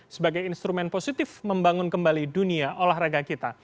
sebagai instrumen positif membangun kembali dunia olahraga kita